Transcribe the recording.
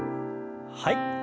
はい。